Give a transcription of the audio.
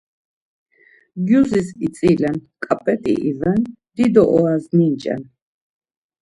Gyuzis itzilen, ǩap̆et̆i iven, dido oras ninç̌en.